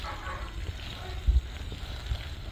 یو څه په ځان د سړیتوب جامه کو.